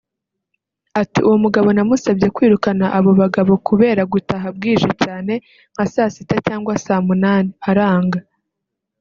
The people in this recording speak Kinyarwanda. Ati “Umugabo namusabye kwirukana abo bagabo kubera gutaha bwije cyane nka saa Sita cyangwa saa Nunani aranga